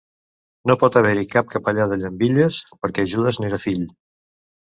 No pot haver-hi cap capellà de Llambilles, perquè Judes n'era fill.